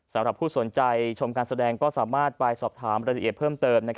สำหรับผู้สนใจชมการแสดงก็สามารถไปสอบถามรายละเอียดเพิ่มเติม